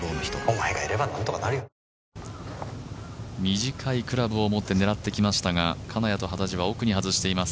短いクラブを持って狙ってきましたが金谷と幡地は奥に外しています。